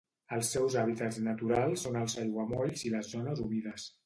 Els seus hàbitats naturals són els aiguamolls i les zones humides.